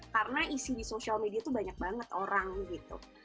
karena isi di social media itu banyak banget orang gitu